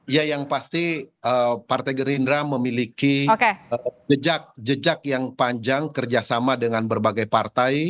ya yang pasti partai gerindra memiliki jejak jejak yang panjang kerjasama dengan berbagai partai